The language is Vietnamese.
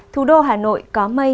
thủ đô hà nội có mây